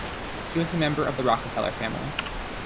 He was a member of the Rockefeller family.